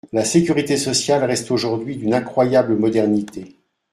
La Sécurité sociale reste aujourd’hui d’une incroyable modernité.